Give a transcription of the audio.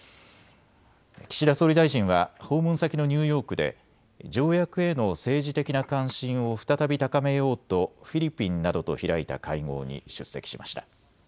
岸田総理大臣は訪問先のニューヨークで条約への政治的な関心を再び高めようとフィリピンなどと開いた会合に出席しました。